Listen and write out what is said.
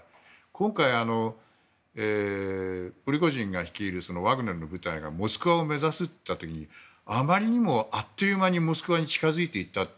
今回、プリゴジンが率いるワグネルの部隊がモスクワを目指すといった時にあまりにもあっという間にモスクワに近づいていった。